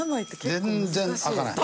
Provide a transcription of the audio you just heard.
全然開かない。